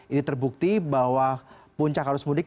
ini terbukti bahwa puncak arus mudik